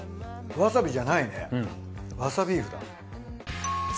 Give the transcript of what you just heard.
わさびじゃないねわさビーフだ。